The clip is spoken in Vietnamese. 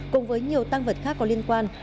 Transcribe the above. cùng với nhiều tăng vật khác có liên quan